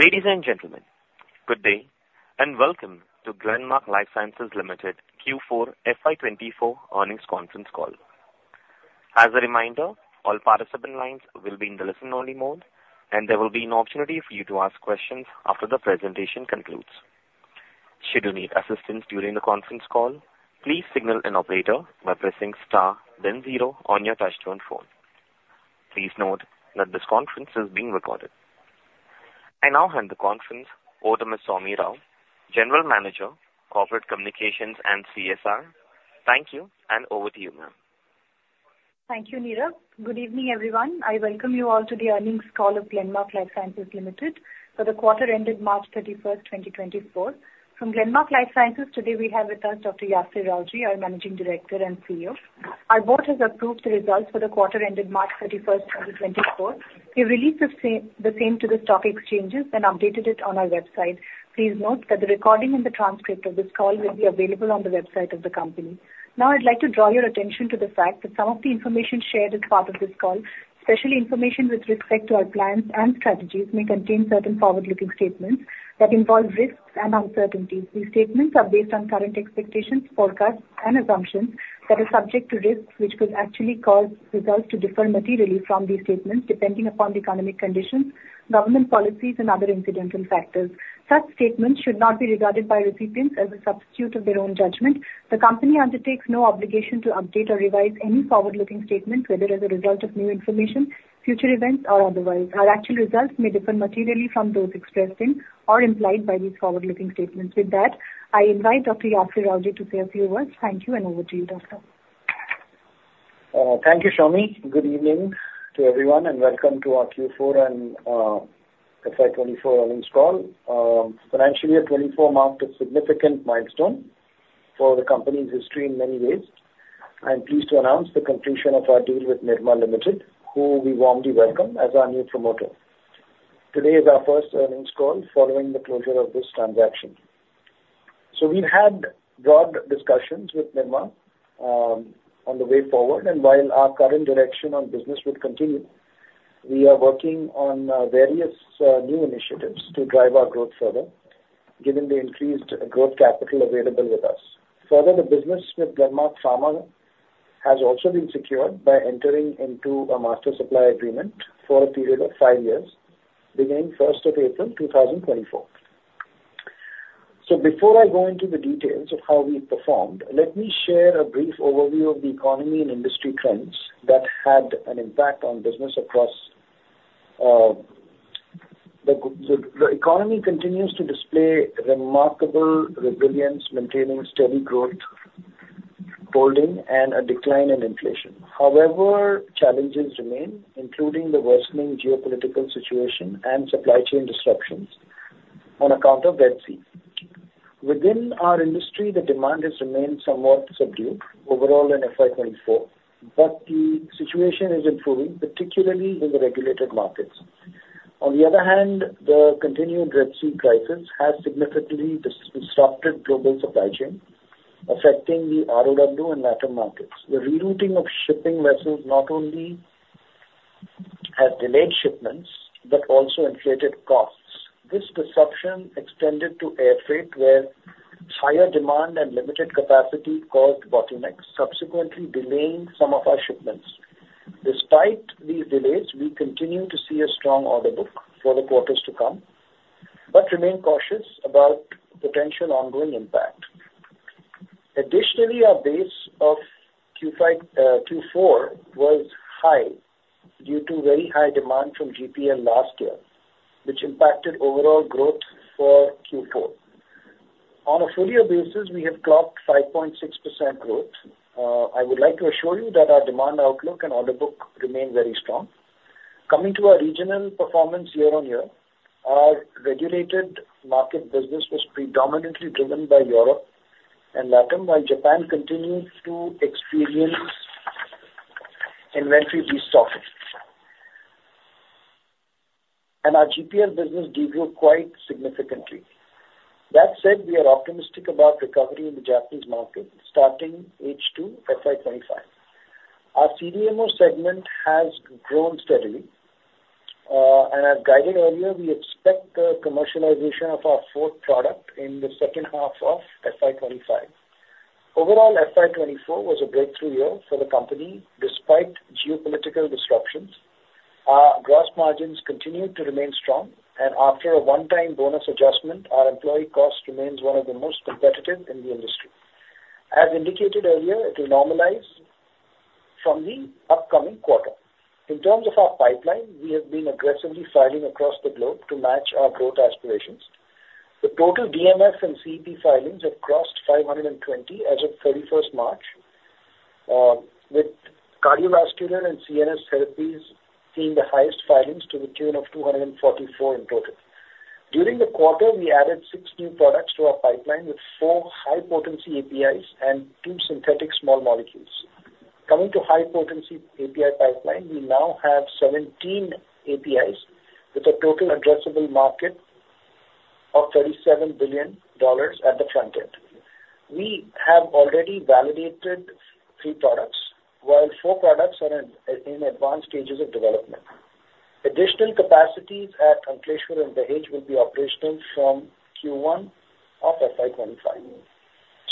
Ladies and gentlemen, good day, and welcome to Glenmark Life Sciences Limited Q4 FY24 Earnings Conference Call. As a reminder, all participant lines will be in the listen-only mode, and there will be an opportunity for you to ask questions after the presentation concludes. Should you need assistance during the conference call, please signal an operator by pressing star then zero on your touchtone phone. Please note that this conference is being recorded. I now hand the conference over to Ms. Soumi Rao, General Manager, Corporate Communications and CSR. Thank you, and over to you, ma'am. Thank you, Neeraj. Good evening, everyone. I welcome you all to the earnings call of Glenmark Life Sciences Limited for the quarter ended March 31, 2024. From Glenmark Life Sciences, today we have with us Dr. Yasir Rawjee, our Managing Director and CEO. Our board has approved the results for the quarter ended March 31, 2024. We released the same to the stock exchanges and updated it on our website. Please note that the recording and the transcript of this call will be available on the website of the company. Now, I'd like to draw your attention to the fact that some of the information shared as part of this call, especially information with respect to our plans and strategies, may contain certain forward-looking statements that involve risks and uncertainties. These statements are based on current expectations, forecasts and assumptions that are subject to risks, which could actually cause results to differ materially from these statements depending upon the economic conditions, government policies, and other incidental factors. Such statements should not be regarded by recipients as a substitute of their own judgment. The company undertakes no obligation to update or revise any forward-looking statements, whether as a result of new information, future events, or otherwise. Our actual results may differ materially from those expressed in or implied by these forward-looking statements. With that, I invite Dr. Yasir Rawjee to say a few words. Thank you, and over to you, Doctor. Thank you, Soumi. Good evening to everyone, and welcome to our Q4 and FY 2024 earnings call. Financially, 2024 marked a significant milestone for the company's history in many ways. I'm pleased to announce the completion of our deal with Nirma Limited, who we warmly welcome as our new promoter. Today is our first earnings call following the closure of this transaction. So we've had broad discussions with Nirma, on the way forward, and while our current direction on business would continue, we are working on various new initiatives to drive our growth further, given the increased growth capital available with us. Further, the business with Glenmark Pharma has also been secured by entering into a master supply agreement for a period of five years, beginning first of April 2024. So before I go into the details of how we performed, let me share a brief overview of the economy and industry trends that had an impact on business across the economy continues to display remarkable resilience, maintaining steady growth, holding, and a decline in inflation. However, challenges remain, including the worsening geopolitical situation and supply chain disruptions on account of Red Sea. Within our industry, the demand has remained somewhat subdued overall in FY 2024, but the situation is improving, particularly in the regulated markets. On the other hand, the continued Red Sea crisis has significantly disrupted global supply chain, affecting the ROW and LATAM markets. The rerouting of shipping vessels not only has delayed shipments, but also inflated costs. This disruption extended to airfreight, where higher demand and limited capacity caused bottlenecks, subsequently delaying some of our shipments. Despite these delays, we continue to see a strong order book for the quarters to come, but remain cautious about potential ongoing impact. Additionally, our base of Q4 was high due to very high demand from GPL last year, which impacted overall growth for Q4. On a full year basis, we have clocked 5.6% growth. I would like to assure you that our demand outlook and order book remain very strong. Coming to our regional performance year-on-year, our regulated market business was predominantly driven by Europe and LATAM, while Japan continues to experience inventory restocking. Our GPL business de-grew quite significantly. That said, we are optimistic about recovery in the Japanese market, starting H2 FY 2025. Our CDMO segment has grown steadily, and as guided earlier, we expect the commercialization of our fourth product in the second half of FY 2025. Overall, FY 2024 was a breakthrough year for the company, despite geopolitical disruptions. Our gross margins continued to remain strong, and after a one-time bonus adjustment, our employee cost remains one of the most competitive in the industry. As indicated earlier, it will normalize from the upcoming quarter. In terms of our pipeline, we have been aggressively filing across the globe to match our growth aspirations. The total DMF and CEP filings have crossed 520 as of March 31st, with cardiovascular and CNS therapies seeing the highest filings to the tune of 244 in total. During the quarter, we added six new products to our pipeline, with four high-potency APIs and two synthetic small molecules. Coming to high-potency API pipeline, we now have 17 APIs with a total addressable market of $37 billion at the front end. We have already validated three products, while four products are in advanced stages of development. Additional capacities at Ankleshwar and Dahej will be operational from Q1 of FY 2025.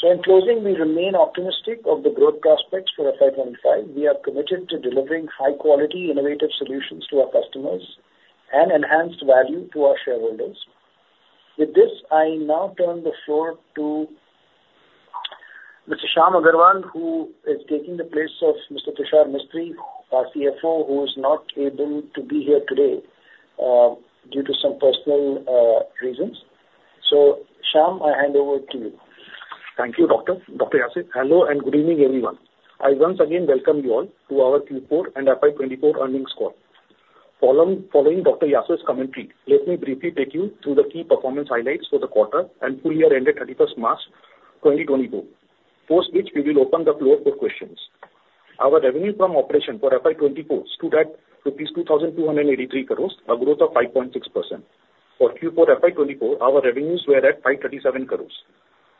So in closing, we remain optimistic of the growth prospects for FY 2025. We are committed to delivering high quality, innovative solutions to our customers and enhanced value to our shareholders. With this, I now turn the floor to Mr. Shyam Agarwal, who is taking the place of Mr. Tushar Mistry, our CFO, who is not able to be here today due to some personal reasons. So Shyam, I hand over to you. Thank you, Doctor, Dr. Yasir. Hello, and good evening, everyone. I once again welcome you all to our Q4 and FY 2024 earnings call. Following Dr. Yasir's commentary, let me briefly take you through the key performance highlights for the quarter and full year ended 31st March 2022, after which we will open the floor for questions. Our revenue from operation for FY 2024 stood at rupees 2,283 crores, a growth of 5.6%. For Q4 FY 2024, our revenues were at 537 crores.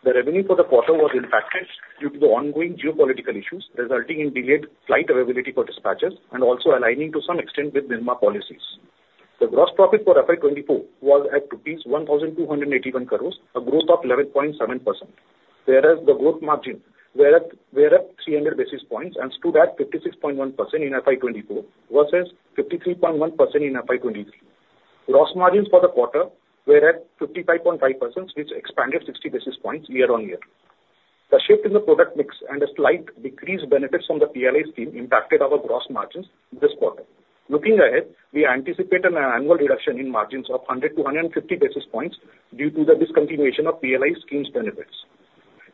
The revenue for the quarter was impacted due to the ongoing geopolitical issues, resulting in delayed flight availability for dispatches and also aligning to some extent with Nirma policies. The gross profit for FY 2024 was at INR 1,281 crores, a growth of 11.7%, whereas the gross margin was at 300 basis points and stood at 56.1% in FY 2024, versus 53.1% in FY 2023. Gross margins for the quarter were at 55.5%, which expanded 60 basis points year-on-year. The shift in the product mix and a slight decrease in benefits from the PLI scheme impacted our gross margins this quarter. Looking ahead, we anticipate an annual reduction in margins of 100-150 basis points due to the discontinuation of PLI scheme's benefits.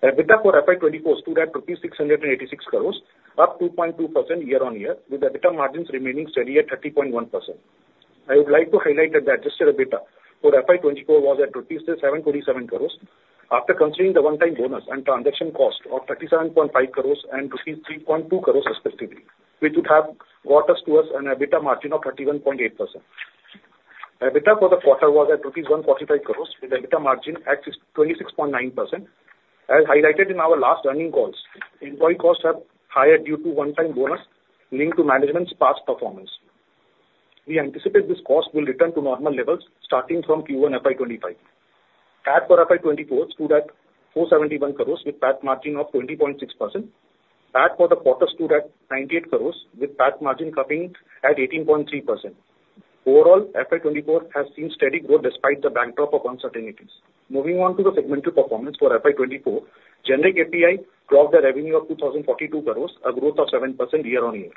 EBITDA for FY 2024 stood at rupees 686 crores, up 2.2% year-on-year, with EBITDA margins remaining steady at 30.1%. I would like to highlight that the adjusted EBITDA for FY 2024 was at rupees 747 crores, after considering the one-time bonus and transaction cost of 37.5 crores and rupees 3.2 crores respectively, which would have brought us to an EBITDA margin of 31.8%. EBITDA for the quarter was at 145 crores rupees, with EBITDA margin at 26.9%. As highlighted in our last earnings calls, employee costs are higher due to one-time bonus linked to management's past performance. We anticipate this cost will return to normal levels starting from Q1 FY 2025. PAT for FY 2024 stood at 471 crores, with PAT margin of 20.6%. PAT for the quarter stood at 98 crores, with PAT margin coming at 18.3%. Overall, FY 2024 has seen steady growth despite the backdrop of uncertainties. Moving on to the segmental performance for FY 2024, generic API dropped a revenue of 2,042 crores, a growth of 7% year-on-year.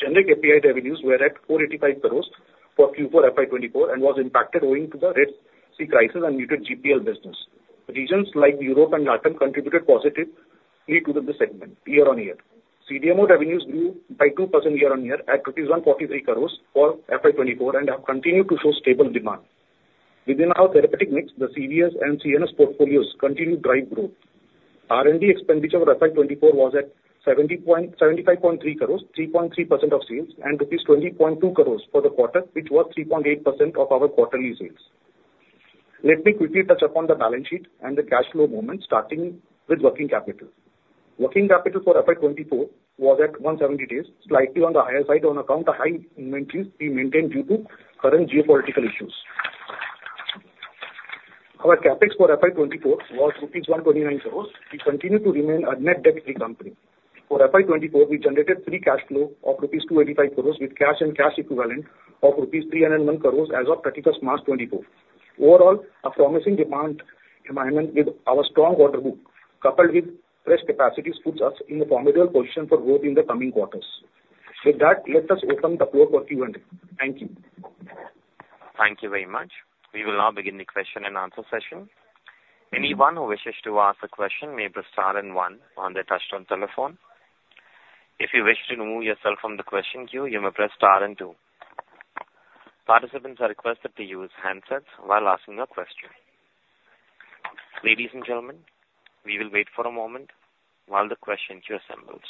Generic API revenues were at 485 crores for Q4 FY 2024, and was impacted owing to the Red Sea crisis and muted GPL business. Regions like Europe and LATAM contributed positively to this segment year-on-year. CDMO revenues grew by 2% year-on-year, at INR 143 crores for FY 2024, and have continued to show stable demand. Within our therapeutic mix, the CVS and CNS portfolios continued to drive growth. R&D expenditure for FY 2024 was at 75.3 crores 3.3% of sales, and rupees 20.2 crores for the quarter, which was 3.8% of our quarterly sales. Let me quickly touch upon the balance sheet and the cash flow movement, starting with working capital. Working capital for FY 2024 was at 170 days, slightly on the higher side on account of high inventories we maintained due to current geopolitical issues. Our CapEx for FY 2024 was INR 129 crore. We continue to remain a net debt-free company. For FY 2024, we generated free cash flow of rupees 285 crores, with cash and cash equivalent of rupees 301 crores as of March 31, 2024. Overall, a promising demand environment with our strong order book, coupled with fresh capacities, puts us in a formidable position for growth in the coming quarters. With that, let us open the floor for Q&A. Thank you. Thank you very much. We will now begin the question and answer session. Anyone who wishes to ask a question, may press star and one on their touchtone telephone. If you wish to remove yourself from the question queue, you may press star and two. Participants are requested to use handsets while asking their question. Ladies and gentlemen, we will wait for a moment while the question queue assembles.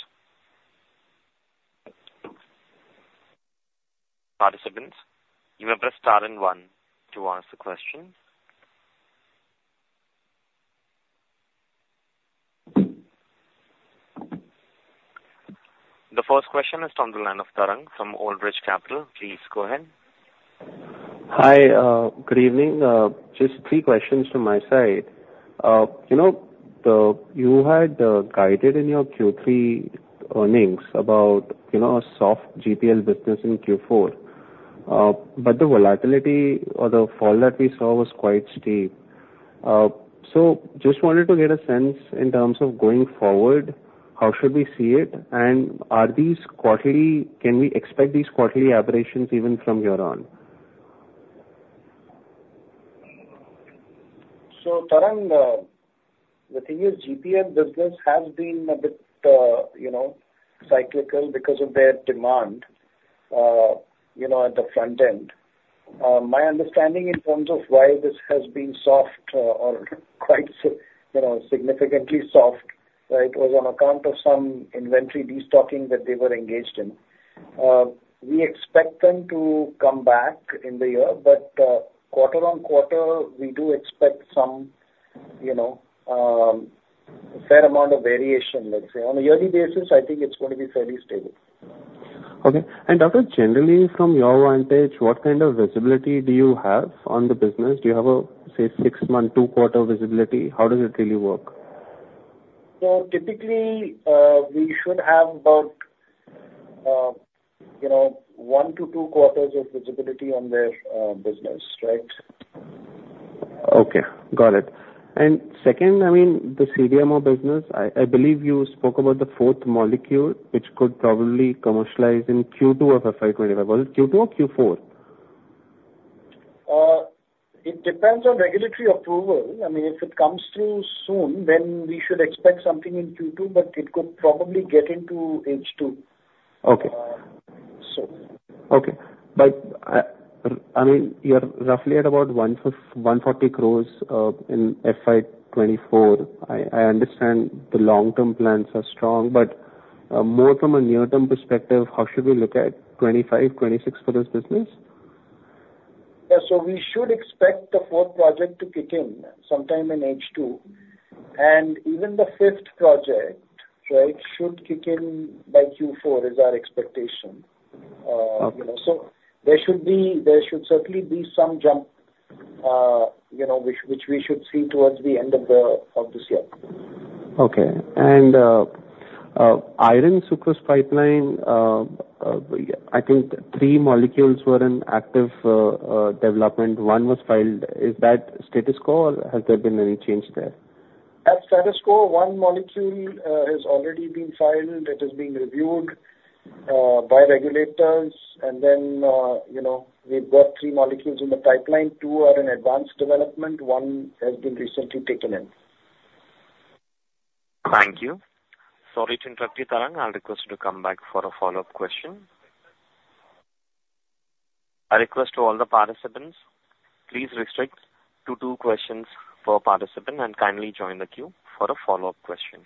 Participants, you may press star and one to ask the question. The first question is from the line of Tarang from Old Bridge Capital. Please go ahead. Hi, good evening. Just three questions from my side. You know, you had guided in your Q3 earnings about, you know, a soft GPL business in Q4, but the volatility or the fall that we saw was quite steep. So just wanted to get a sense in terms of going forward, how should we see it? And are these quarterly... Can we expect these quarterly aberrations even from here on? So Tarang, the thing is, GPL business has been a bit, you know, cyclical because of their demand, you know, at the front end. My understanding in terms of why this has been soft, or you know, significantly soft, it was on account of some inventory destocking that they were engaged in. We expect them to come back in the year, but, quarter on quarter, we do expect some, you know, fair amount of variation, let's say. On a yearly basis, I think it's going to be fairly stable. Okay. And doctor, generally, from your vantage, what kind of visibility do you have on the business? Do you have a, say, six-month, two-quarter visibility? How does it really work? Typically, we should have about, you know, one to two quarters of visibility on this business, right? Okay, got it. And second, I mean, the CDMO business, I, I believe you spoke about the fourth molecule, which could probably commercialize in Q2 of FY 2025. Was it Q2 or Q4? It depends on regulatory approval. I mean, if it comes through soon, then we should expect something in Q2, but it could probably get into H2. Okay. Uh, so. Okay. But, I mean, you're roughly at about 140 crores in FY 2024. I understand the long-term plans are strong, but, more from a near-term perspective, how should we look at 25, 26 for this business? Yeah. So we should expect the fourth project to kick in sometime in H2. And even the fifth project, right, should kick in by Q4, is our expectation. Okay. You know, so there should certainly be some jump, you know, which we should see towards the end of this year. Okay. And, iron sucrose pipeline, I think three molecules were in active development. One was filed. Is that status quo, or has there been any change there? At status quo, one molecule has already been filed. It is being reviewed by regulators. And then, you know, we've got three molecules in the pipeline. Two are in advanced development, one has been recently taken in. Thank you. Sorry to interrupt you, Tarang. I'll request you to come back for a follow-up question. I request to all the participants, please restrict to two questions per participant, and kindly join the queue for a follow-up question.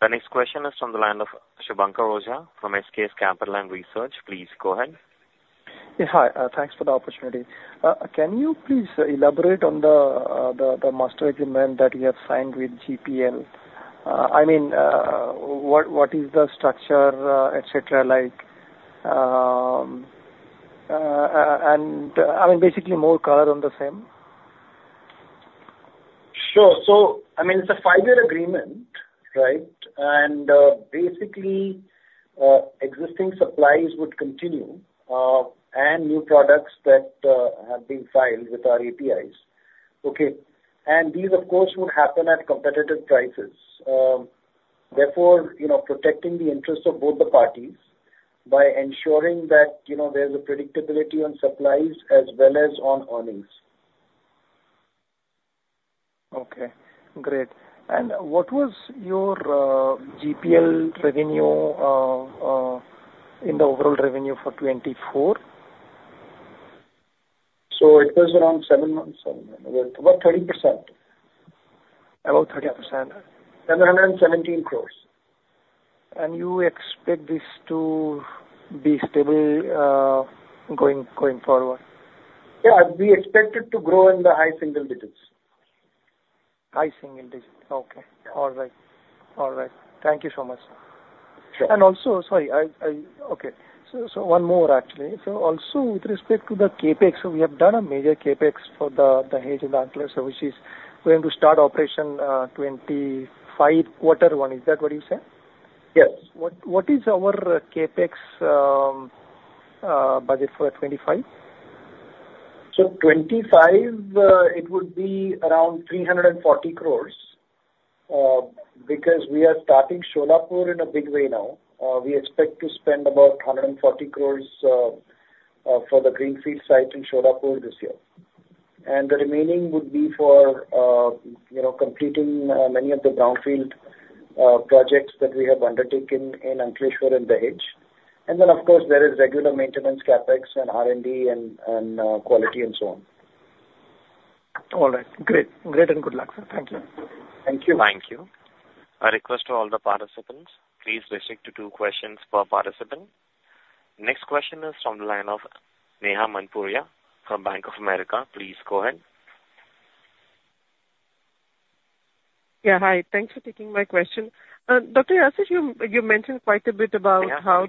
The next question is from the line of Subhankar Ojha from SKS Capital and Research. Please go ahead. Yes, hi. Thanks for the opportunity. Can you please elaborate on the master agreement that you have signed with GPL? I mean, what is the structure, et cetera, like, and I mean, basically more color on the same. Sure. So, I mean, it's a five-year agreement, right? And, basically, existing supplies would continue, and new products that have been filed with our APIs. Okay, and these, of course, would happen at competitive prices. Therefore, you know, protecting the interests of both the parties by ensuring that, you know, there's a predictability on supplies as well as on earnings. Okay, great. And what was your GPL revenue in the overall revenue for 2024? It was around seven months, about 30%. About 30%? 717 crores. You expect this to be stable, going forward? Yeah, we expect it to grow in the high single digits. High single digits. Okay. All right. All right. Thank you so much. Sure. Sorry, okay. So one more, actually. So also with respect to the CapEx, we have done a major CapEx for the shed in Ankleshwar, which is going to start operation, 2025, quarter one. Is that what you said? Yes. What is our CapEx budget for 2025? So 2025, it would be around 340 crores, because we are starting Solapur in a big way now. We expect to spend about 140 crores for the greenfield site in Solapur this year. And the remaining would be for, you know, completing many of the brownfield projects that we have undertaken in Ankleshwar and Dahej. And then, of course, there is regular maintenance CapEx and R&D and quality and so on. All right. Great. Great, and good luck, sir. Thank you. Thank you. Thank you. I request to all the participants, please restrict to two questions per participant. Next question is from the line of Neha Manpuria from Bank of America. Please go ahead. Yeah, hi. Thanks for taking my question. Dr. Yasir, you mentioned quite a bit about how the quarter- May I request you to speak a little louder, please? Is this better now? Yes, thank you. Okay. Dr. Yasir, you mentioned quite a bit about how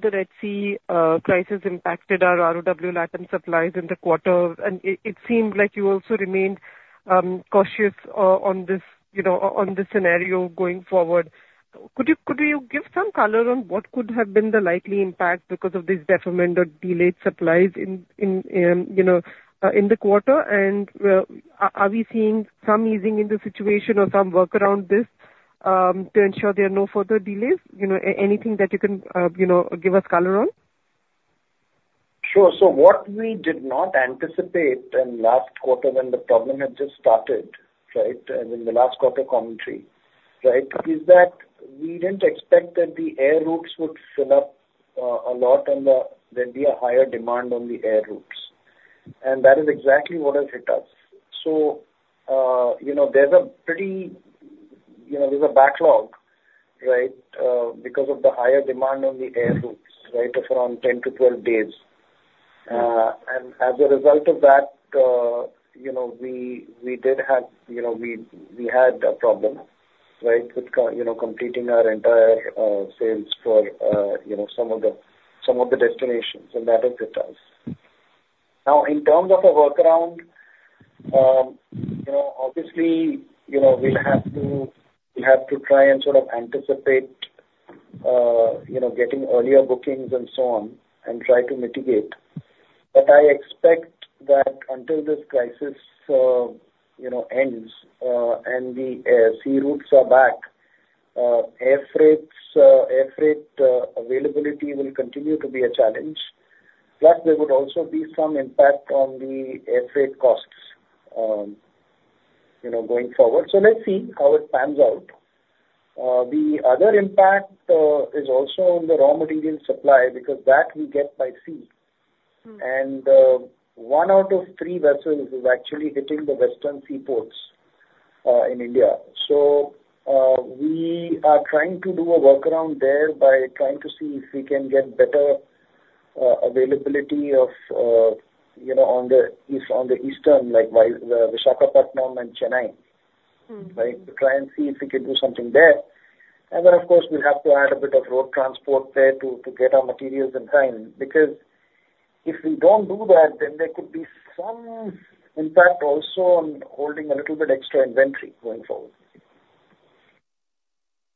the Red Sea crisis impacted our ROW Latin supplies in the quarter, and it seemed like you also remained cautious on this, you know, on this scenario going forward. Could you give some color on what could have been the likely impact because of these deferment or delayed supplies in the quarter? And are we seeing some easing in the situation or some workaround this to ensure there are no further delays? You know, anything that you can give us color on? Sure. So what we did not anticipate in last quarter when the problem had just started, right, and in the last quarter commentary, right, is that we didn't expect that the air routes would fill up a lot. There'd be a higher demand on the air routes, and that is exactly what has hit us. So, you know, there's a backlog, right, because of the higher demand on the air routes, right? Of around 10-12 days. And as a result of that, you know, we had a problem, right? With completing our entire sales for, you know, some of the destinations, and that has hit us. Now, in terms of a workaround, you know, obviously, you know, we'll have to, we'll have to try and sort of anticipate, you know, getting earlier bookings and so on, and try to mitigate. But I expect that until this crisis, you know, ends, and the sea routes are back, air freights, air freight, availability will continue to be a challenge, plus there would also be some impact on the air freight costs, you know, going forward. So let's see how it pans out. The other impact is also on the raw material supply, because that we get by sea. Hmm. One out of three vessels is actually hitting the western seaports in India. We are trying to do a workaround there by trying to see if we can get better availability of, you know, on the east, on the eastern, like Visakhapatnam and Chennai. Hmm. Right? To try and see if we can do something there. And then, of course, we'll have to add a bit of road transport there to get our materials in time, because if we don't do that, then there could be some impact also on holding a little bit extra inventory going forward.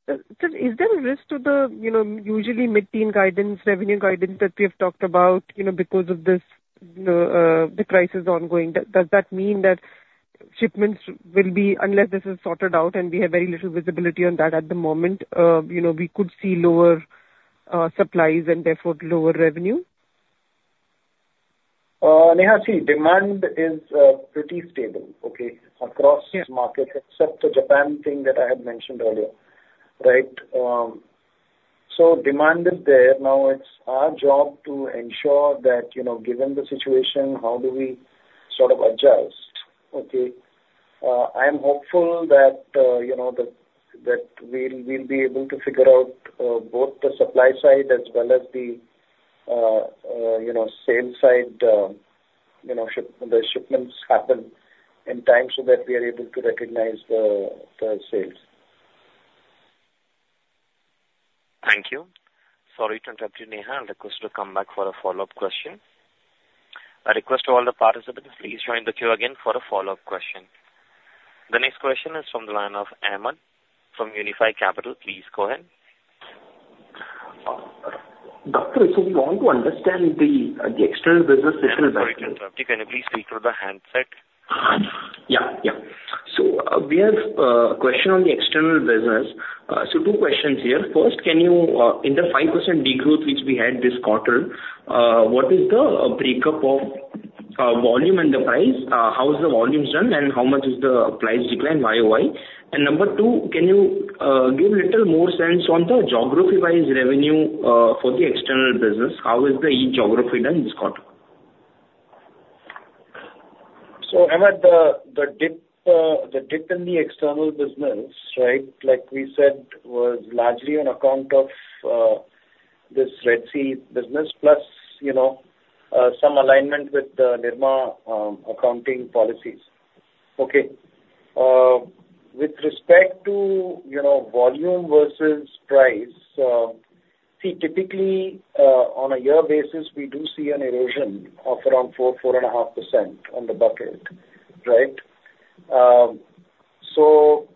Sir, sir, is there a risk to the, you know, usually mid-teen guidance, revenue guidance that we have talked about, you know, because of this, the crisis ongoing? Does, does that mean that shipments will be... unless this is sorted out and we have very little visibility on that at the moment, you know, we could see lower, supplies and therefore lower revenue? Neha, see, demand is pretty stable, okay, across the market, except the Japan thing that I had mentioned earlier, right? So demand is there. Now, it's our job to ensure that, you know, given the situation, how do we sort of adjust, okay? I am hopeful that, you know, that we'll be able to figure out both the supply side as well as the, you know, sales side, you know, the shipments happen in time so that we are able to recognize the sales. Thank you. Sorry to interrupt you, Neha. I request you to come back for a follow-up question. I request to all the participants, please join the queue again for a follow-up question. The next question is from the line of Ahmed from Unifi Capital. Please go ahead. Doctor, so we want to understand the external business system- Ahmed, sorry to interrupt you. Can you please speak through the handset? Yeah, yeah. So, we have a question on the external business. So two questions here. First, can you, in the 5% degrowth which we had this quarter, what is the breakup of volume and the price? How is the volumes done, and how much is the price decline Y-o-Y? And number two, can you give a little more sense on the geography-wise revenue, for the external business? How is each geography done this quarter? So, Ahmed, the dip in the external business, right, like we said, was largely on account of this Red Sea business, plus, you know, some alignment with the Nirma accounting policies. Okay. With respect to, you know, volume versus price, see, typically, on a year basis, we do see an erosion of around 4%-4.5% on the bucket, right? So,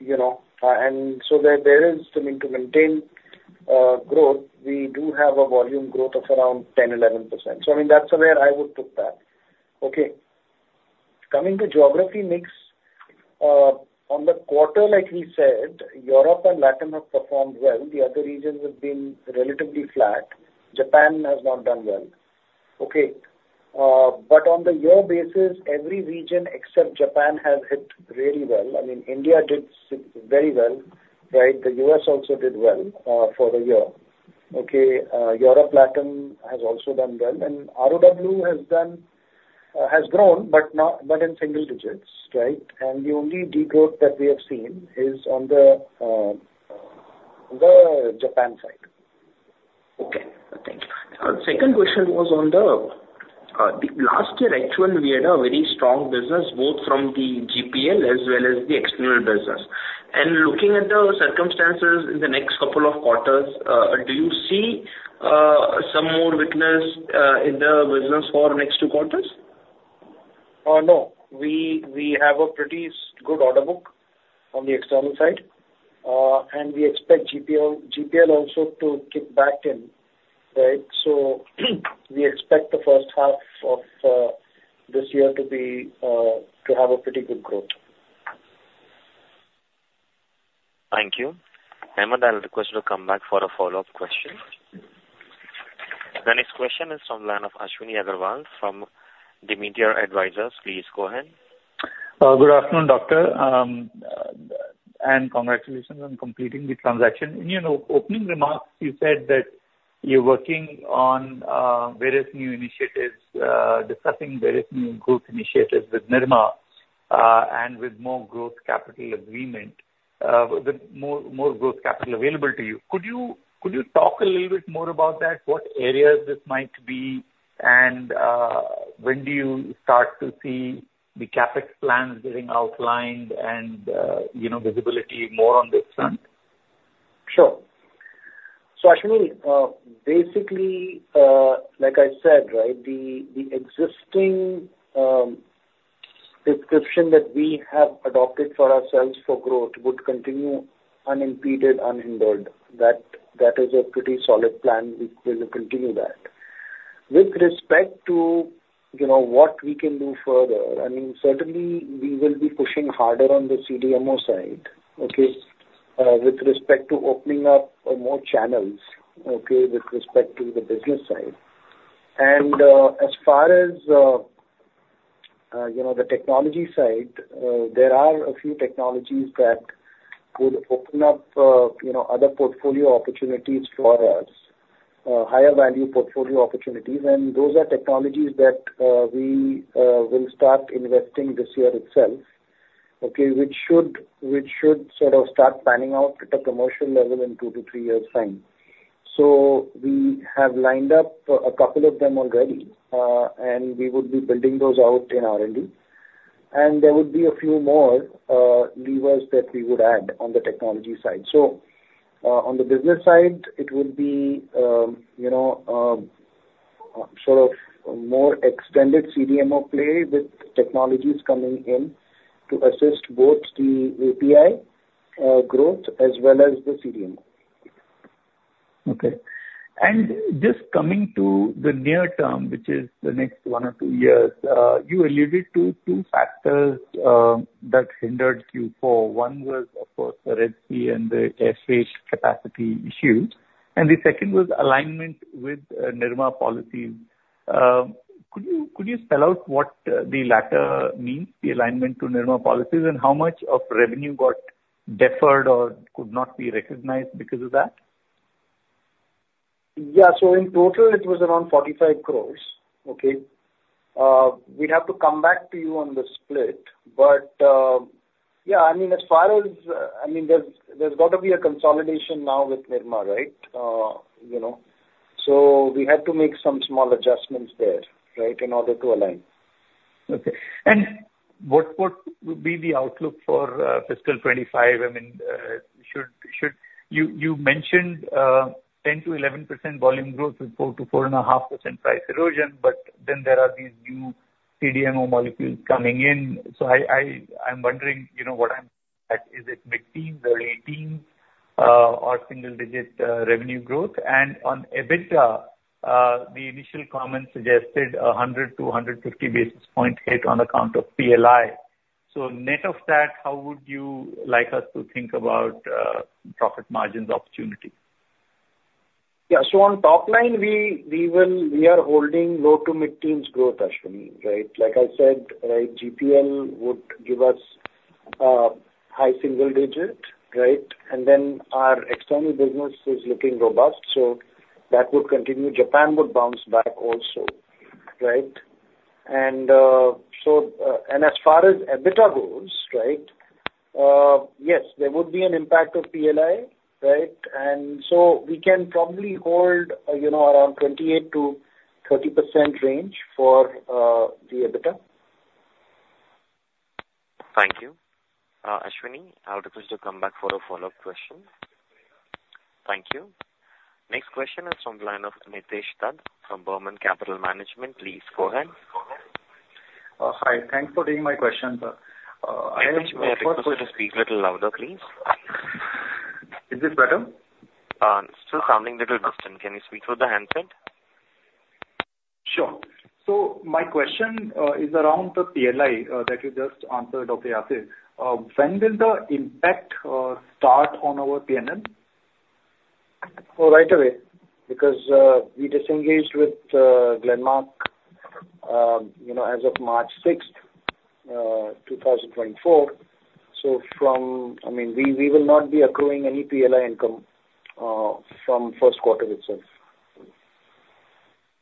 you know, and so there is something to maintain growth. We do have a volume growth of around 10%-11%. So I mean, that's where I would put that. Okay. Coming to geography mix, on the quarter, like we said, Europe and Latin have performed well. The other regions have been relatively flat. Japan has not done well. Okay, but on the year basis, every region except Japan has hit really well. I mean, India did very well, right? The U.S. also did well, for the year. Okay, Europe, Latin has also done well, and ROW has done, has grown, but not but in single digits, right? And the only degrowth that we have seen is on the, the Japan side. Okay, thank you. Second question was on the last year. Actually, we had a very strong business, both from the GPL as well as the external business. And looking at the circumstances in the next couple of quarters, do you see some more weakness in the business for next two quarters? No. We, we have a pretty good order book on the external side, and we expect GPL, GPL also to kick back in, right? So, we expect the first half of this year to be to have a pretty good growth. Thank you. Ahmed, I'll request you to come back for a follow-up question.... The next question is from the line of Ashwini Agarwal from the Demeter Advisors. Please go ahead. Good afternoon, doctor, and congratulations on completing the transaction. In your opening remarks, you said that you're working on various new initiatives, discussing various new growth initiatives with Nirma, and with more growth capital agreement, with more growth capital available to you. Could you talk a little bit more about that? What areas this might be, and when do you start to see the CapEx plans getting outlined, and you know, visibility more on this front? Sure. So Ashwini, basically, like I said, right, the, the existing description that we have adopted for ourselves for growth would continue unimpeded, unhindered. That is a pretty solid plan. We will continue that. With respect to, you know, what we can do further, I mean, certainly we will be pushing harder on the CDMO side, okay, with respect to opening up more channels, okay, with respect to the business side. And, as far as, you know, the technology side, there are a few technologies that could open up, you know, other portfolio opportunities for us, higher value portfolio opportunities. And those are technologies that, we, will start investing this year itself, okay, which should sort of start panning out at a commercial level in 2-3 years' time. So we have lined up a couple of them already, and we would be building those out in R&D. There would be a few more levers that we would add on the technology side. On the business side, it would be, you know, sort of more extended CDMO play with technologies coming in to assist both the API growth as well as the CDMO. Okay. And just coming to the near term, which is the next one or two years, you alluded to two factors that hindered Q4. One was, of course, the Red Sea and the air freight capacity issues, and the second was alignment with Nirma policies. Could you spell out what the latter means, the alignment to Nirma policies, and how much of revenue got deferred or could not be recognized because of that? Yeah. So in total, it was around 45 crores. Okay. We'd have to come back to you on the split. But, yeah, I mean, as far as, I mean, there's, there's got to be a consolidation now with Nirma, right? You know. So we had to make some small adjustments there, right, in order to align. Okay. And what would be the outlook for fiscal 2025? I mean, should... You mentioned 10%-11% volume growth with 4%-4.5% price erosion, but then there are these new CDMO molecules coming in. So I'm wondering, you know, what I'm at, is it mid-teen or 18, or single-digit revenue growth? And on EBITDA, the initial comments suggested a 100-150 basis point hit on account of PLI. So net of that, how would you like us to think about profit margins opportunity? Yeah. So on top line, we are holding low- to mid-teens growth, Ashwini, right? Like I said, right, GPL would give us high single-digit, right? And then our external business is looking robust, so that would continue. Japan would bounce back also, right? And so as far as EBITDA goes, right, yes, there would be an impact of PLI, right? And so we can probably hold, you know, around 28%-30% range for the EBITDA. Thank you. Ashwini, I'll request you to come back for a follow-up question. Thank you. Next question is from the line of Nitesh Dutt from Burman Capital Management. Please go ahead. Hi. Thanks for taking my question, sir. Nitesh, may I request you to speak little louder, please? Is this better? Still sounding little distant. Can you speak through the handset? Sure. So my question is around the PLI that you just answered, Dr. Yasir. When will the impact start on our PNL? Oh, right away, because we disengaged with Glenmark, you know, as of March 6, 2024. So I mean, we, we will not be accruing any PLI income from first quarter itself.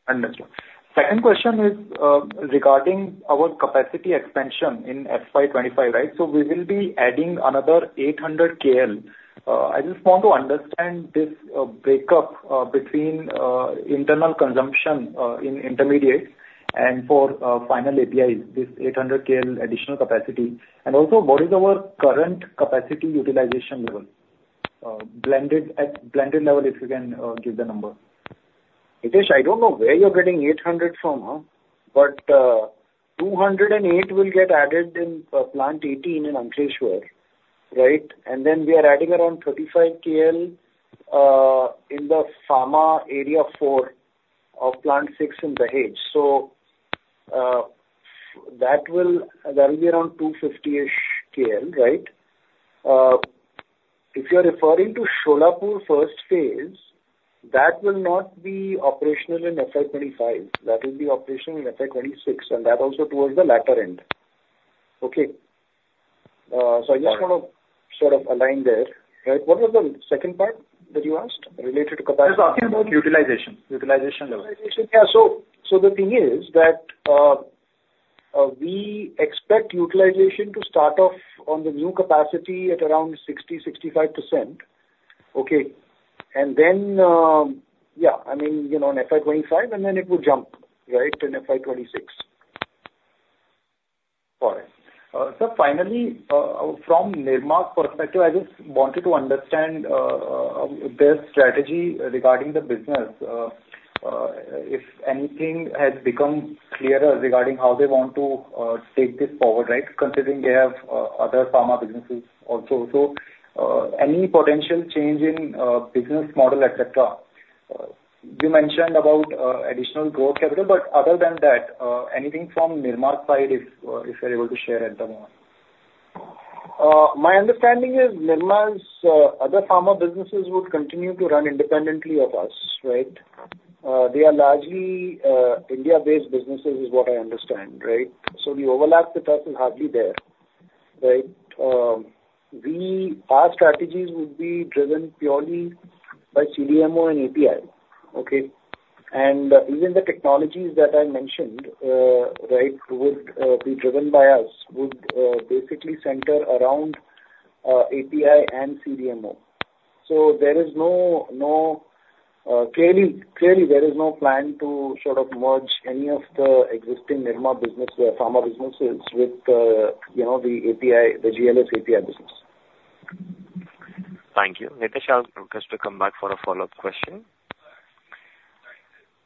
Understood. Second question is, regarding our capacity expansion in FY 2025, right? So we will be adding another 800 KL. I just want to understand this breakup between internal consumption in intermediates and for final APIs, this 800 KL additional capacity. And also, what is our current capacity utilization level, blended at blended level, if you can give the number? Nitesh, I don't know where you're getting 800 from, huh, but, two hundred and eight will get added in, plant eighteen in Ankleshwar, right? And then we are adding around 35 KL, in the pharma area four of plant six in Dahej. So, that will, that will be around two fifty-ish KL, right? If you're referring to Solapur first phase, that will not be operational in FY 2025. That will be operational in FY 2026, and that also towards the latter end. Okay? So I just want to sort of align there, right? What was the second part that you asked related to capacity? I was asking about utilization, utilization level. Utilization. Yeah, so, so the thing is that, we expect utilization to start off on the new capacity at around 60-65%. Okay? And then, yeah, I mean, you know, in FY 2025, and then it would jump, right, in FY 2026. Got it. So finally, from Nirma's perspective, I just wanted to understand their strategy regarding the business. If anything has become clearer regarding how they want to take this forward, right? Considering they have other pharma businesses also. So, any potential change in business model, et cetera. You mentioned about additional growth capital, but other than that, anything from Nirma's side, if you're able to share at the moment. My understanding is Nirma's other pharma businesses would continue to run independently of us, right? They are largely India-based businesses, is what I understand, right? So the overlap with us is hardly there, right? We, our strategies would be driven purely by CDMO and API, okay? And even the technologies that I mentioned, right, would be driven by us, would basically center around API and CDMO. So there is no, no clearly, clearly there is no plan to sort of merge any of the existing Nirma business or pharma businesses with, you know, the API, the GLS API business. Thank you. Nitish, I'll ask to come back for a follow-up question.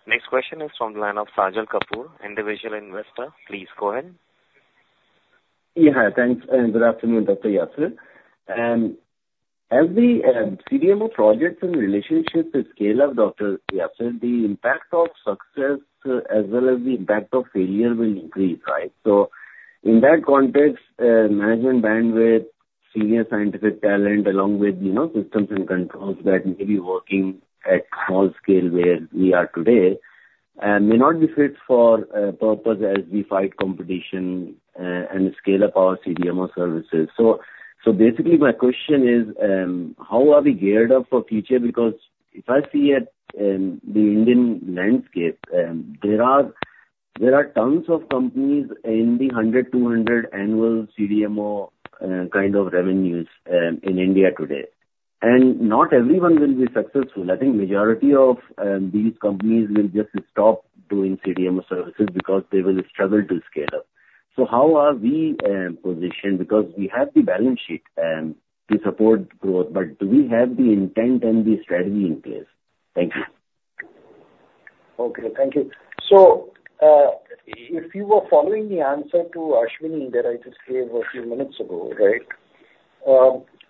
Next question is from the line of Sajal Kapoor, individual investor. Please go ahead. Yeah, hi. Thanks, and good afternoon, Dr. Yasir. As the CDMO projects and relationships scale, Dr. Yasir, the impact of success as well as the impact of failure will increase, right? So in that context, management bandwidth, senior scientific talent, along with, you know, systems and controls that may be working at small scale, where we are today, and may not be fit for purpose as we fight competition and scale up our CDMO services. So basically my question is, how are we geared up for future? Because if I see at the Indian landscape, there are tons of companies in the 100-200 annual CDMO kind of revenues in India today, and not everyone will be successful. I think majority of these companies will just stop doing CDMO services because they will struggle to scale up. So how are we positioned? Because we have the balance sheet to support growth, but do we have the intent and the strategy in place? Thank you. Okay, thank you. So, if you were following the answer to Ashwini, that I just gave a few minutes ago, right?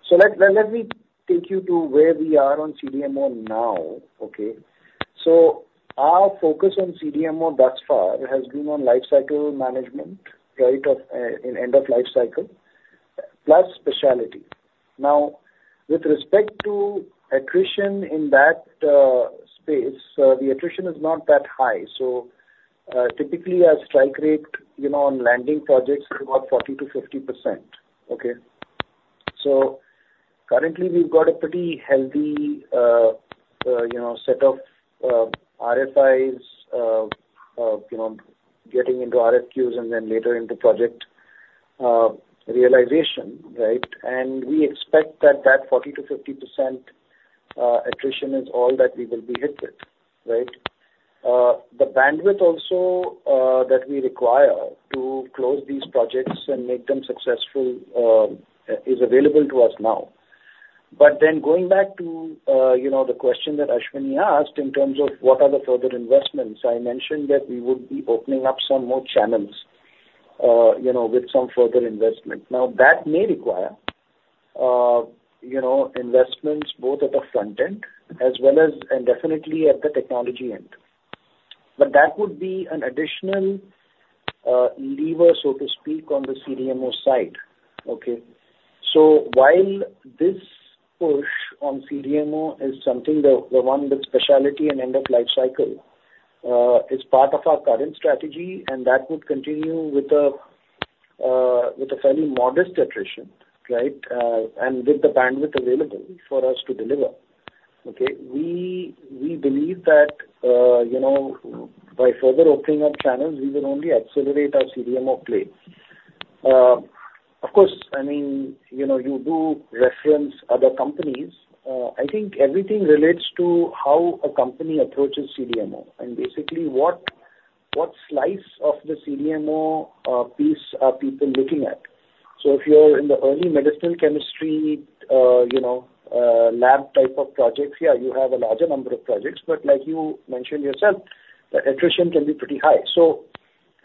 So let me take you to where we are on CDMO now, okay? So our focus on CDMO thus far has been on life cycle management, right, of in end of life cycle, plus specialty. Now, with respect to attrition in that space, the attrition is not that high. So, typically our strike rate, you know, on landing projects is about 40%-50%. Okay? So currently, we've got a pretty healthy, you know, set of RFIs, you know, getting into RFQs and then later into project realization, right? And we expect that that 40%-50% attrition is all that we will be hit with, right? The bandwidth also, that we require to close these projects and make them successful, is available to us now. But then going back to, you know, the question that Ashwini asked in terms of what are the further investments, I mentioned that we would be opening up some more channels, you know, with some further investment. Now, that may require, you know, investments both at the front end as well as, and definitely at the technology end. But that would be an additional, lever, so to speak, on the CDMO side. Okay? So while this push on CDMO is something the, the one with specialty and end of life cycle, is part of our current strategy, and that would continue with a, with a fairly modest attrition, right? And with the bandwidth available for us to deliver, okay? We believe that, you know, by further opening up channels, we will only accelerate our CDMO play. Of course, I mean, you know, you do reference other companies. I think everything relates to how a company approaches CDMO and basically what slice of the CDMO piece are people looking at. So if you're in the early medicinal chemistry, you know, lab type of projects, yeah, you have a larger number of projects, but like you mentioned yourself, the attrition can be pretty high. So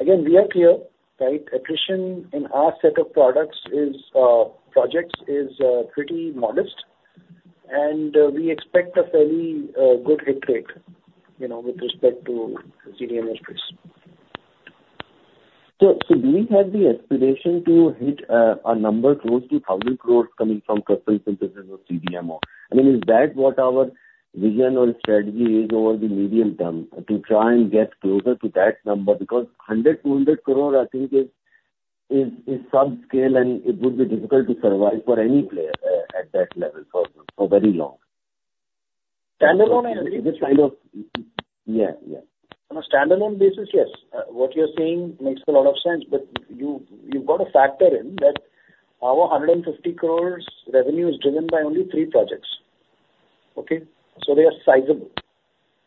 again, we are clear, right? Attrition in our set of products is, projects is, pretty modest, and, we expect a fairly, good hit rate, you know, with respect to CDMO space. So, do we have the expectation to hit a number close to 1,000 crore coming from corporate synthesis or CDMO? I mean, is that what our vision or strategy is over the medium term, to try and get closer to that number? Because 100 crore, 200 crore, I think, is subscale, and it would be difficult to survive for any player at that level for very long. Standalone, I think- Yeah, yeah. On a standalone basis, yes. What you're saying makes a lot of sense, but you've got to factor in that our 150 crore revenue is driven by only three projects. Okay? So they are sizable.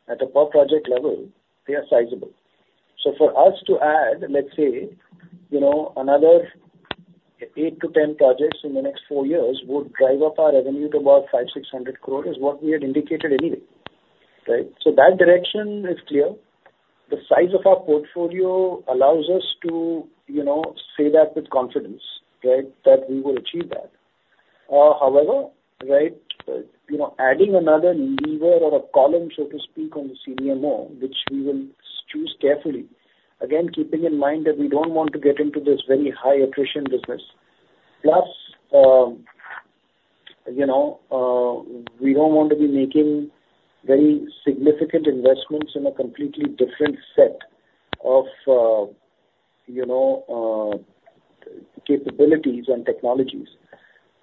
At a per project level, they are sizable. So for us to add, let's say, you know, another eight to 10 projects in the next four years would drive up our revenue to about 500-600 crores, is what we had indicated anyway, right? So that direction is clear. The size of our portfolio allows us to, you know, say that with confidence, right, that we will achieve that. However, right, you know, adding another lever or a column, so to speak, on the CDMO, which we will choose carefully, again, keeping in mind that we don't want to get into this very high attrition business. Plus, you know, we don't want to be making very significant investments in a completely different set of, you know, capabilities and technologies.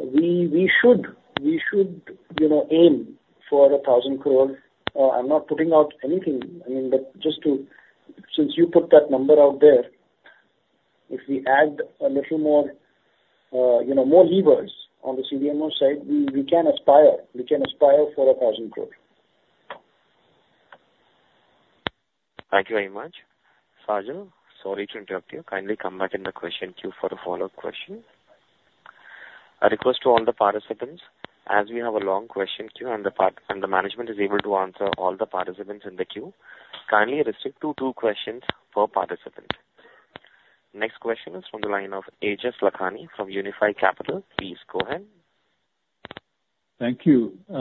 We, we should, we should, you know, aim for 1,000 crores. I'm not putting out anything. I mean, but just to. Since you put that number out there, if we add a little more, you know, more levers on the CDMO side, we, we can aspire, we can aspire for 1,000 crores. Thank you very much. Sajal sorry to interrupt you. Kindly come back in the question queue for the follow-up question. A request to all the participants, as we have a long question queue and the management is able to answer all the participants in the queue, kindly restrict to two questions per participant. Next question is from the line of Aejas Lakhani from Unifi Capital. Please go ahead. Thank you. So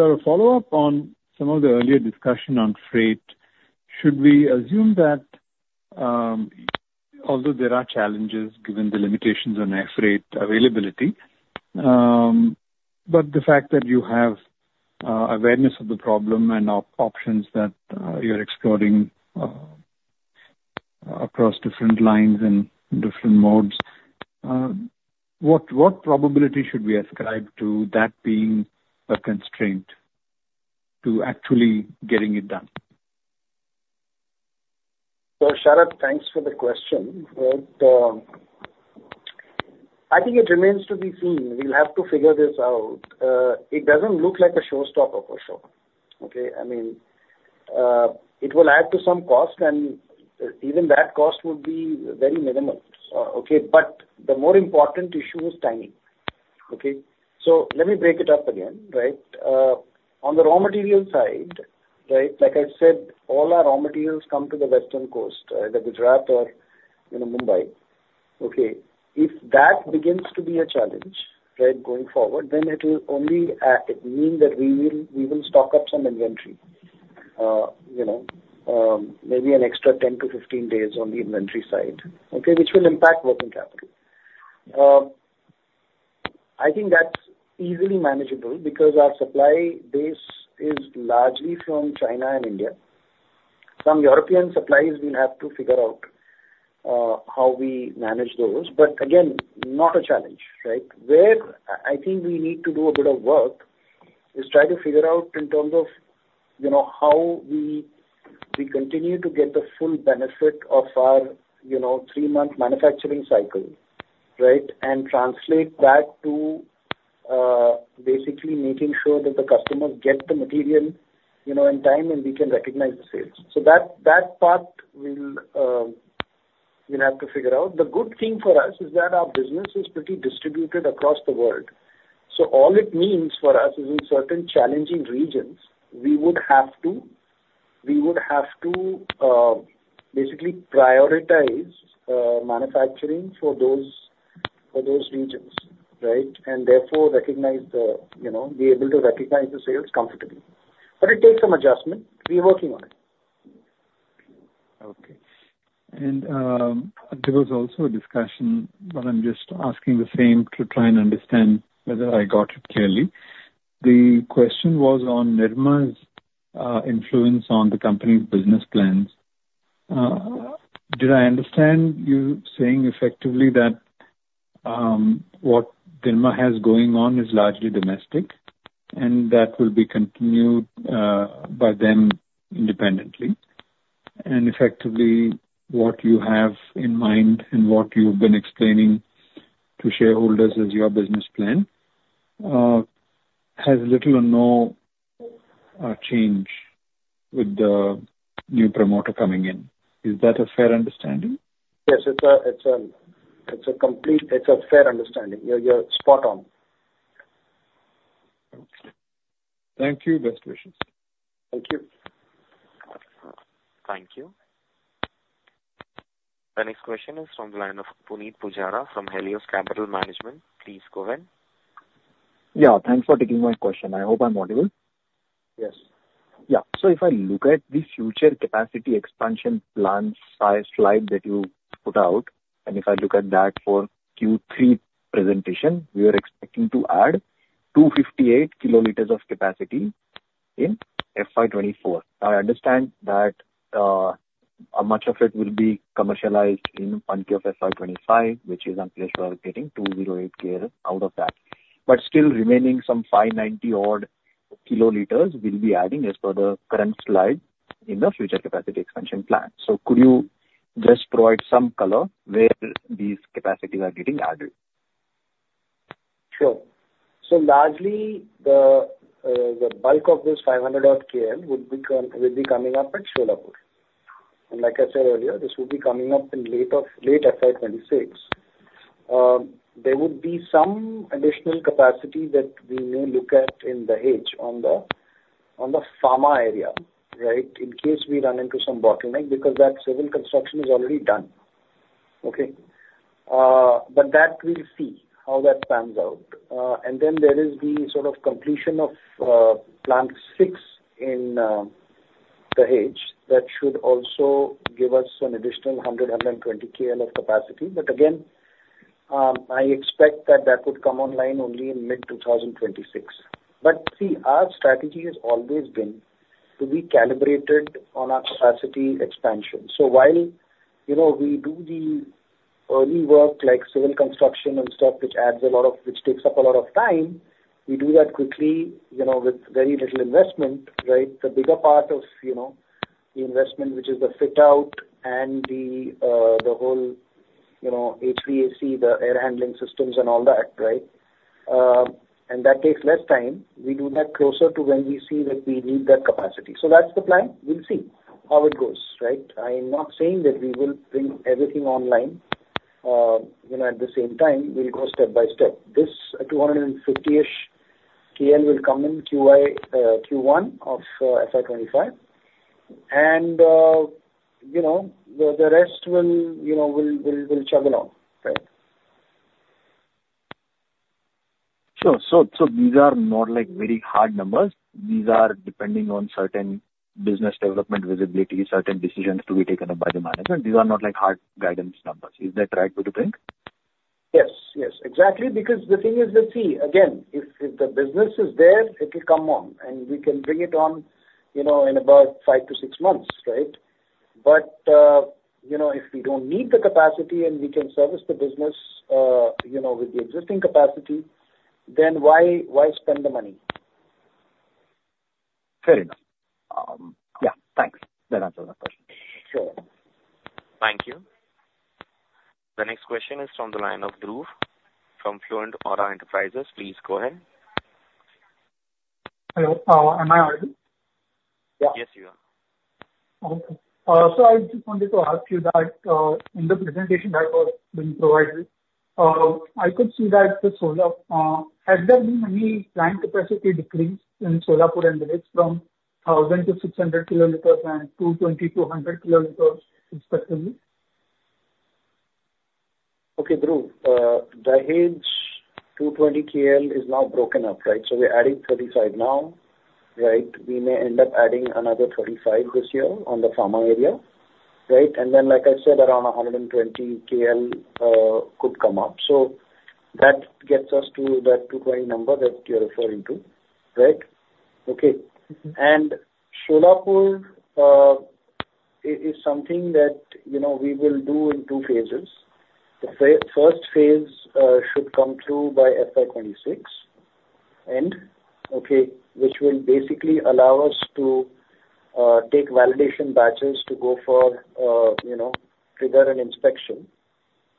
a follow-up on some of the earlier discussion on freight. Should we assume that, although there are challenges given the limitations on air freight availability, but the fact that you have awareness of the problem and options that you're exploring across different lines and different modes, what probability should we ascribe to that being a constraint to actually getting it done? So, Aejas, thanks for the question. Well, I think it remains to be seen. We'll have to figure this out. It doesn't look like a showstopper for sure, okay? I mean, it will add to some cost, and even that cost would be very minimal. Okay, but the more important issue is timing, okay? So let me break it up again, right? On the raw material side, right, like I said, all our raw materials come to the western coast, the Gujarat or, you know, Mumbai. Okay, if that begins to be a challenge, right, going forward, then it will only mean that we will, we will stock up some inventory. You know, maybe an extra 10-15 days on the inventory side, okay? Which will impact working capital. I think that's easily manageable because our supply base is largely from China and India. Some European suppliers will have to figure out how we manage those, but again, not a challenge, right? Where I, I think we need to do a bit of work, is try to figure out in terms of, you know, how we, we continue to get the full benefit of our, you know, three-month manufacturing cycle, right? And translate that to basically making sure that the customers get the material, you know, in time, and we can recognize the sales. So that, that part we'll, we'll have to figure out. The good thing for us is that our business is pretty distributed across the world. All it means for us is in certain challenging regions, we would have to basically prioritize manufacturing for those regions, right? And therefore, recognize the, you know, be able to recognize the sales comfortably. But it takes some adjustment. We're working on it. Okay. There was also a discussion, but I'm just asking the same to try and understand whether I got it clearly. The question was on Nirma's influence on the company's business plans. Did I understand you saying effectively that what Nirma has going on is largely domestic, and that will be continued by them independently, and effectively, what you have in mind and what you've been explaining to shareholders as your business plan has little or no change with the new promoter coming in? Is that a fair understanding? Yes, it's a complete... It's a fair understanding. You're spot on. Okay. Thank you. Best wishes. Thank you. Thank you. The next question is from the line of Punit Pujara from Helios Capital Management. Please go ahead.... Yeah, thanks for taking my question. I hope I'm audible. Yes. Yeah. So if I look at the future capacity expansion plan size slide that you put out, and if I look at that for Q3 presentation, we are expecting to add 258 KL of capacity in FY 2024. I understand that much of it will be commercialized in 1Q of FY 2025, which is, I'm pretty sure, getting 208 KL out of that. But still remaining some 590 odd KL will be adding as per the current slide in the future capacity expansion plan. So could you just provide some color where these capacities are getting added? Sure. So largely, the bulk of this 500 odd KL will be coming up at Solapur. And like I said earlier, this will be coming up in late FY 2026. There would be some additional capacity that we may look at in Dahej on the pharma area, right? In case we run into some bottleneck, because that civil construction is already done. Okay? But that we'll see how that pans out. And then there is the sort of completion of plant six in Dahej, that should also give us an additional 120 KL of capacity. But again, I expect that that would come online only in mid-2026. But see, our strategy has always been to be calibrated on our capacity expansion. So while, you know, we do the early work, like civil construction and stuff, which adds a lot of, which takes up a lot of time, we do that quickly, you know, with very little investment, right? The bigger part of, you know, the investment, which is the fit out and the, the whole, you know, HVAC, the air handling systems and all that, right? And that takes less time. We do that closer to when we see that we need that capacity. So that's the plan. We'll see how it goes, right? I'm not saying that we will bring everything online, you know, at the same time, we'll go step by step. This 250-ish KL will come in Q1 of FY 2025. And, you know, the rest will, you know, we'll chug along. Right. These are not, like, very hard numbers. These are depending on certain business development visibility, certain decisions to be taken up by the management. These are not, like, hard guidance numbers. Is that right way to think? Yes, yes, exactly, because the thing is that, see, again, if the business is there, it will come on, and we can bring it on, you know, in about five to six months, right? But, you know, if we don't need the capacity and we can service the business, you know, with the existing capacity, then why spend the money? Fair enough. Yeah, thanks. That answers my question. Sure. Thank you. The next question is from the line of Dhruv, from Florintree Advisors. Please go ahead. Hello. Am I audible? Yeah. Yes, you are. Okay. So I just wanted to ask you that, in the presentation that was being provided, I could see that the Solapur, has there been any plant capacity decrease in Solapur and Dahej from 1,000 to 600 KL and 220 to 100 KL, respectively? Okay, Dhruv, Dahej 220 KL is now broken up, right? So we're adding 35 now, right? We may end up adding another 35 this year on the pharma area, right? And then, like I said, around 120 KL could come up. So that gets us to that 220 number that you're referring to, right? Okay. Mm-hmm. And Solapur is something that, you know, we will do in two phases. The first phase should come through by FY 2026, and okay, which will basically allow us to take validation batches to go for, you know, trigger an inspection.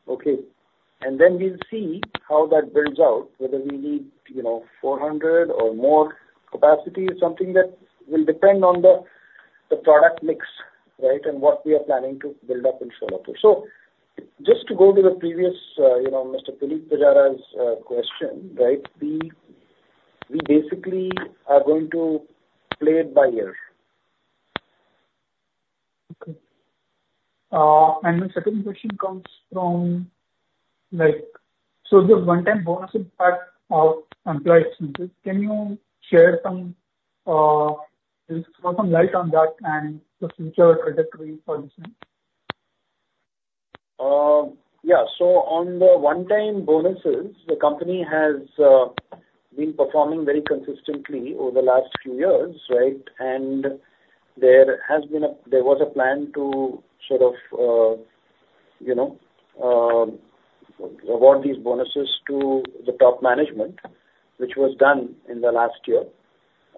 Okay? And then we'll see how that builds out, whether we need, you know, 400 or more capacity. It's something that will depend on the product mix, right? And what we are planning to build up in Solapur. So just to go to the previous, you know, Mr. Punit Pujara's question, right, we basically are going to play it by ear. Okay. And my second question comes from, like, so the one-time bonus impact of employee expenses, can you share some, just throw some light on that and the future trajectory for the same? Yeah. So on the one-time bonuses, the company has been performing very consistently over the last few years, right? And there was a plan to sort of, you know, award these bonuses to the top management, which was done in the last year.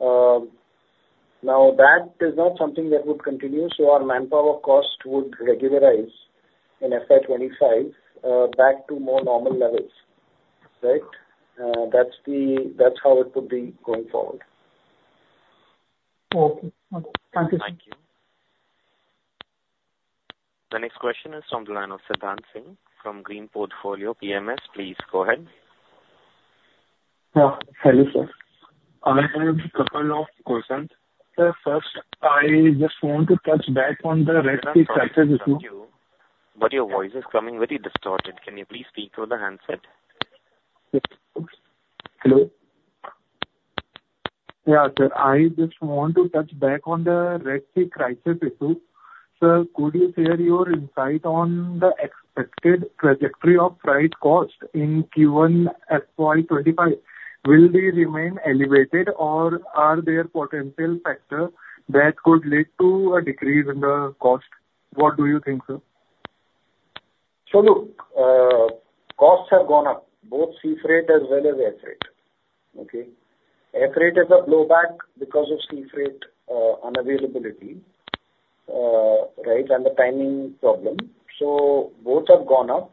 Now, that is not something that would continue, so our manpower cost would regularize in FY 2025, back to more normal levels, right? That's the, that's how it would be going forward. Okay. Thank you, sir. Thank you. The next question is from the line of Siddhant Singh from Green Portfolio PMS. Please go ahead. Hello, sir. I have a couple of questions. Sir, first, I just want to touch back on the Red Sea crisis issue-... Your voice is coming very distorted. Can you please speak through the handset? Hello? Yeah, sir, I just want to touch back on the Red Sea crisis issue. Sir, could you share your insight on the expected trajectory of freight cost in Q1 FY25? Will they remain elevated, or are there potential factors that could lead to a decrease in the cost? What do you think, sir? So look, costs have gone up, both sea freight as well as air freight, okay? Air freight is a blowback because of sea freight, unavailability, right, and the timing problem. So both have gone up.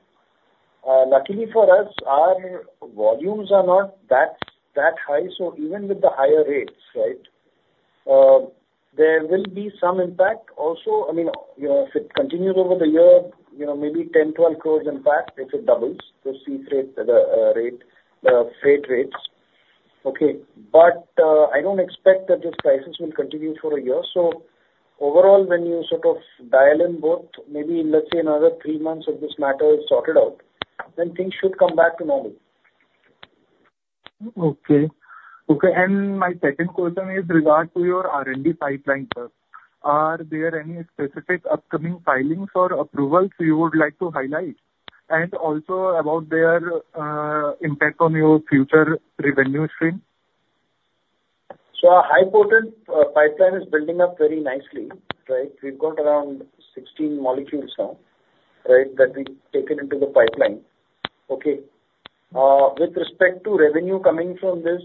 Luckily for us, our volumes are not that, that high, so even with the higher rates, right, there will be some impact also. I mean, you know, if it continues over the year, you know, maybe 10-12 crores impact if it doubles, the sea freight, rate, the freight rates. Okay, but, I don't expect that this crisis will continue for a year. So overall, when you sort of dial in both, maybe let's say another three months of this matter is sorted out, then things should come back to normal. Okay. Okay, and my second question is regard to your R&D pipeline, sir. Are there any specific upcoming filings or approvals you would like to highlight, and also about their impact on your future revenue stream? So our high-potency pipeline is building up very nicely, right? We've got around 16 molecules now, right, that we've taken into the pipeline. Okay. With respect to revenue coming from this,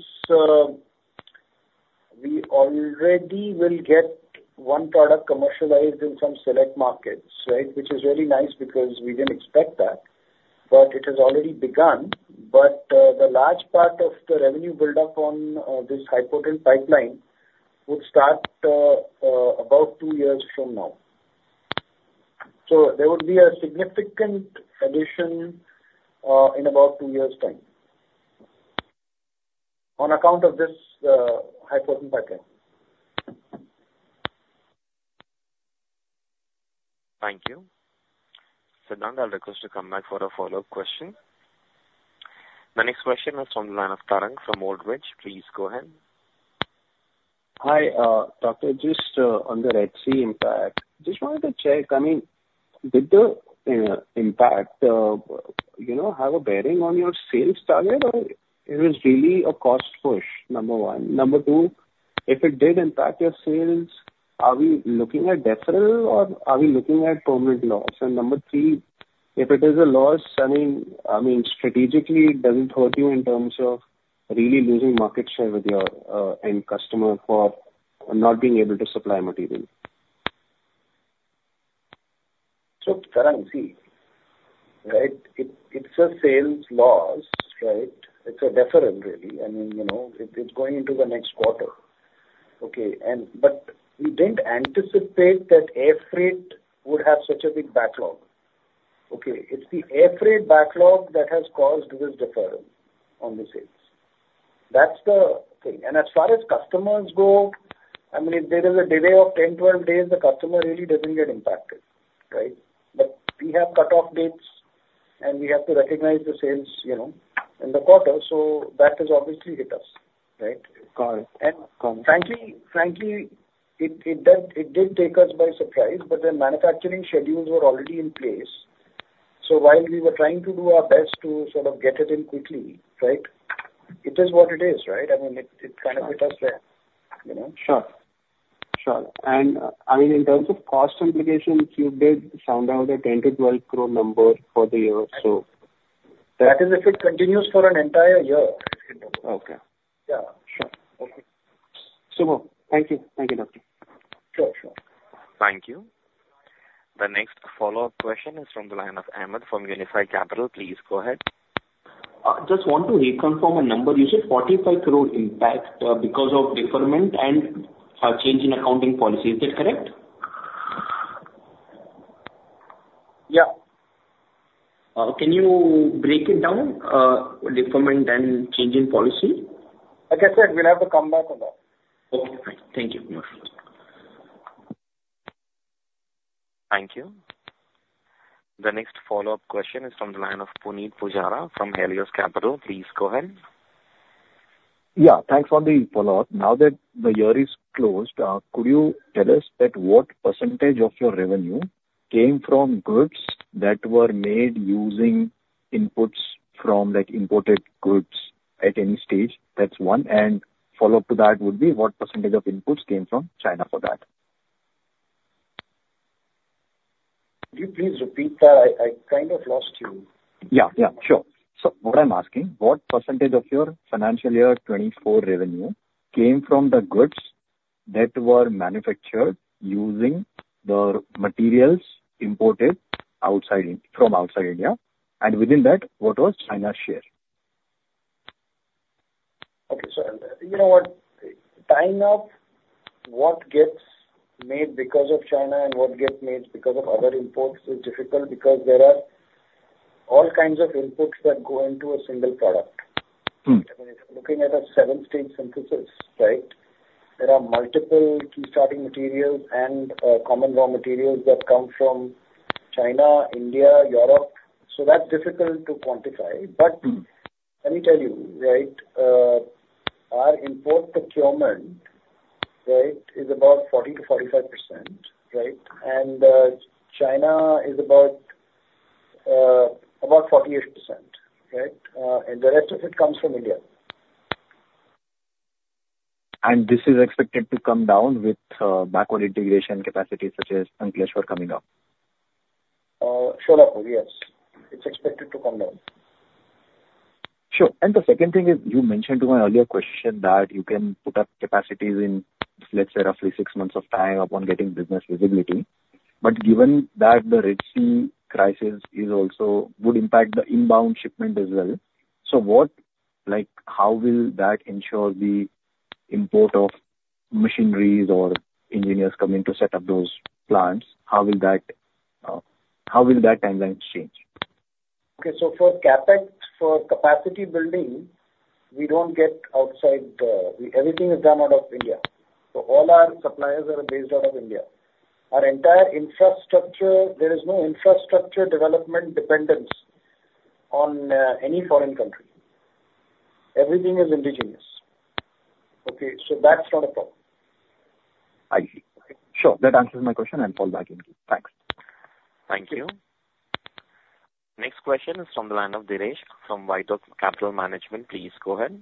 we already will get one product commercialized in some select markets, right? Which is really nice, because we didn't expect that, but it has already begun. But the large part of the revenue build up on this high-potency pipeline would start about two years from now. So there would be a significant addition in about two years' time on account of this high-potency pipeline. Thank you. Siddhant, I'll request you to come back for a follow-up question. My next question is from the line of Tarang from Old Bridge. Please go ahead. Hi, Doctor. Just on the Red Sea impact, just wanted to check, I mean, did the impact, you know, have a bearing on your sales target, or it was really a cost push? Number one. Number two, if it did impact your sales, are we looking at deferral, or are we looking at permanent loss? And number three, if it is a loss, I mean, strategically, does it hurt you in terms of really losing market share with your end customer for not being able to supply material? So, Tarang, see, right, it, it's a sales loss, right? It's a deferral really, and, you know, it, it's going into the next quarter. Okay, and but we didn't anticipate that air freight would have such a big backlog. Okay, it's the air freight backlog that has caused this deferral on the sales. That's the thing. And as far as customers go, I mean, if there is a delay of 10, 12 days, the customer really doesn't get impacted, right? But we have cutoff dates, and we have to recognize the sales, you know, in the quarter, so that has obviously hit us, right? Got it. And frankly, it did take us by surprise, but the manufacturing schedules were already in place. So while we were trying to do our best to sort of get it in quickly, right, it is what it is, right? I mean, it kind of hit us there, you know? Sure. Sure. And I mean, in terms of cost implications, you did sound out a 10 crores-12 crores number for the year, so- That is, if it continues for an entire year, it can double. Okay. Yeah. Sure. Okay. Soumi, thank you. Thank you, Doctor. Sure. Sure. Thank you. The next follow-up question is from the line of Ahmed from Unifi Capital. Please go ahead. Just want to reconfirm a number. You said 45 crores impact because of deferment and a change in accounting policy. Is that correct? Yeah. Can you break it down, deferment and change in policy? Like I said, we'll have to come back on that. Okay, fine. Thank you. Thank you. The next follow-up question is from the line of Punit Pujara from Helios Capital. Please go ahead. Yeah, thanks for the follow-up. Now that the year is closed, could you tell us that what percentage of your revenue came from goods that were made using inputs from, like, imported goods at any stage? That's one. And follow-up to that would be, what percentage of inputs came from China for that? Could you please repeat that? I kind of lost you. Yeah, yeah, sure. So what I'm asking, what percentage of your financial year 2024 revenue came from the goods that were manufactured using the materials imported outside In- from outside India, and within that, what was China's share? Okay. So you know what? Tying up what gets made because of China and what gets made because of other imports is difficult, because there are all kinds of inputs that go into a single product. Hmm. Looking at a seven-stage synthesis, right? There are multiple key starting materials and common raw materials that come from China, India, Europe, so that's difficult to quantify. But let me tell you, right, our import procurement, right, is about 40%-45%, right? And China is about about 48%, right? And the rest of it comes from India. This is expected to come down with backward integration capacity, such as Ankleshwar coming up? Sure enough, yes. It's expected to come down. Sure. And the second thing is, you mentioned to my earlier question that you can put up capacities in, let's say, roughly six months of time upon getting business visibility. But given that the Red Sea crisis is also would impact the inbound shipment as well, so what, like, how will that ensure the import of machineries or engineers coming to set up those plants? How will that, how will that timeline change? Okay, so for CapEx, for capacity building, we don't get outside, everything is done out of India. So all our suppliers are based out of India. Our entire infrastructure, there is no infrastructure development dependence on, any foreign country. Everything is indigenous. Okay, so that's not a problem. I see. Sure, that answers my question, I'll fall back into. Thanks. Thank you. Next question is from the line of Dheeresh from WhiteOak Capital Management. Please go ahead.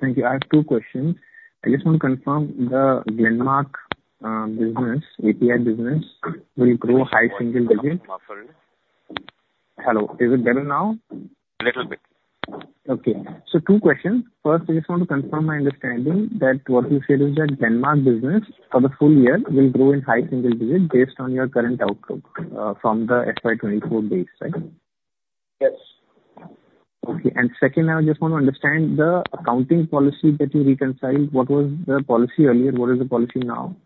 Thank you. I have two questions. I just want to confirm the Glenmark business, API business, will grow high single digits. Your voice is a little muffled. Hello, is it better now? A little bit. Okay. So two questions. First, I just want to confirm my understanding that what you said is that Glenmark business for the full year will grow in high single digits based on your current outlook from the FY 2024 base, right? Yes. Okay. And second, I just want to understand the accounting policy that you reconciled. What was the policy earlier and what is the policy now?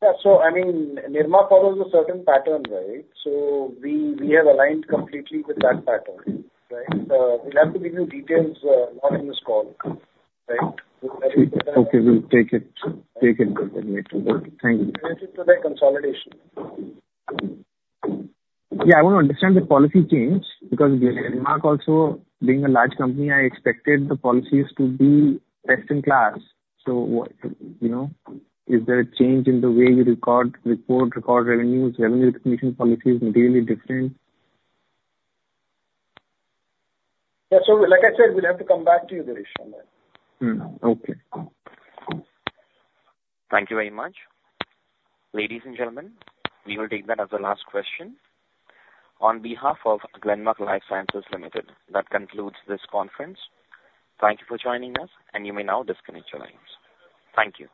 Yeah, so I mean, Nirma follows a certain pattern, right? So we have aligned completely with that pattern, right? We'll have to give you details, not in this call, right? Okay. We'll take it, take it later. Thank you. Related to the consolidation. Yeah, I want to understand the policy change, because Glenmark also, being a large company, I expected the policies to be best in class. So what, you know, is there a change in the way you record, report, record revenues, revenue recognition policies really different? Yeah, so like I said, we'll have to come back to you, Dheeresh, on that. Hmm, okay. Thank you very much. Ladies and gentlemen, we will take that as the last question. On behalf of Glenmark Life Sciences Limited, that concludes this conference. Thank you for joining us, and you may now disconnect your lines. Thank you.